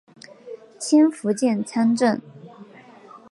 迁福建参政。